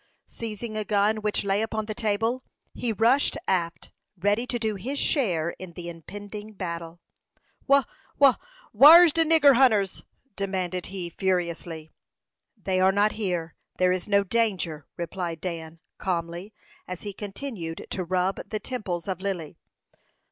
Seizing a gun which lay upon the table, he rushed aft, ready to do his share in the impending battle. "Wha wha whar's de nigger hunters?" demanded he, furiously. "They are not here; there is no danger," replied Dan, calmly, as he continued to rub the temples of Lily.